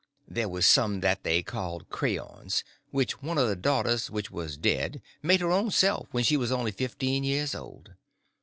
There was some that they called crayons, which one of the daughters which was dead made her own self when she was only fifteen years old.